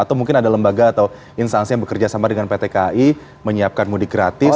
atau mungkin ada lembaga atau instansi yang bekerja sama dengan pt kai menyiapkan mudik gratis